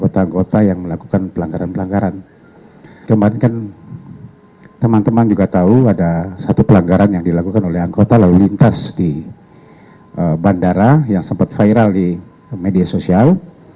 teman teman juga tahu ada satu pelanggaran yang dilakukan oleh anggota lalu lintas di bandara yang sempat viral di media sosial